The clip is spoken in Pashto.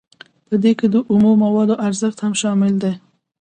په دې کې د اومو موادو ارزښت هم شامل دی